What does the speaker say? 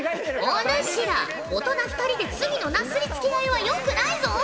お主ら大人２人で罪のなすりつけ合いはよくないぞ！